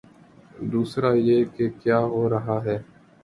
دوسرا یہ کہ کیا ہو رہا ہے۔